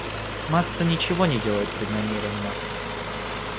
Масса ничего не делает преднамеренно.